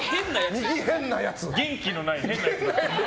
元気のない変なやつ。